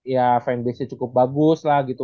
ya fanbase nya cukup bagus lah gitu